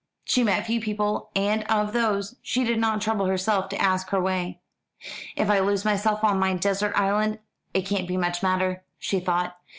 She met few people, and of those she did not trouble herself to ask her way. "If I lose myself on my desert island it can't much matter," she thought.